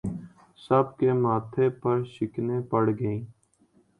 سب کے ماتھے پر شکنیں پڑ گئیں